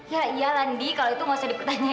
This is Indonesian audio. ya iya landy kalau itu nggak usah dipertanyakan